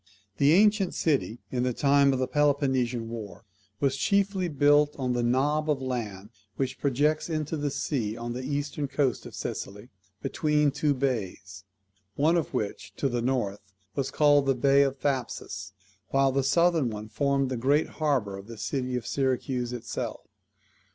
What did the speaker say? The ancient city, in the time of the Peloponnesian war, was chiefly built on the knob of land which projects into the sea on the eastern coast of Sicily, between two bays; one of which, to the north, was called the bay of Thapsus, while the southern one formed the great harbour of the city of Syracuse itself.